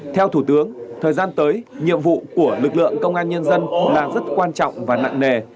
theo thủ tướng thời gian tới nhiệm vụ của lực lượng công an nhân dân là rất quan trọng và nặng nề